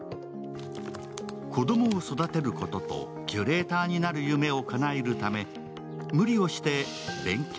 子供を育てることとキュレーターになる夢をかなえるため無理をして勉強